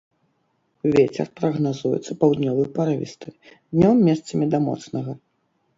Вецер прагназуецца паўднёвы парывісты, днём месцамі да моцнага.